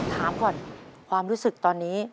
ถามก่อนความรู้สึกตอนนี้